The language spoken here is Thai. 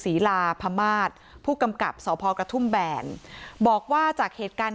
ศรีลาพมาศผู้กำกับสพกระทุ่มแบนบอกว่าจากเหตุการณ์